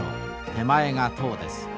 手前が塔です。